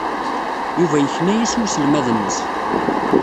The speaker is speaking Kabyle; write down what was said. Yuba yekna-as i uselmad-nnes.